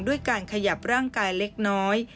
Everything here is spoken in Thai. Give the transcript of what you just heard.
ด้วยการขยับร่างกายเล็กน้อย